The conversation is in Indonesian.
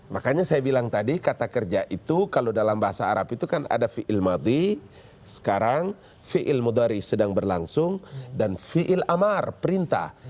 makanya saya bilang tadi kata kerja itu kalau dalam bahasa arab itu kan ada fi'il madhi sekarang fi'il mudhari sedang berlangsung dan fi'il amar perintah